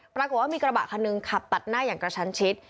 ปรากฏว่ามีกระบะคันหนึ่งขับตัดหน้าอย่างกระชันชิด